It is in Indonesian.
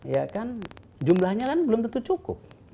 ya kan jumlahnya kan belum tentu cukup